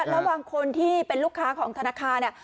ระหว่างคนที่เป็นลูกค้าของธนาคาร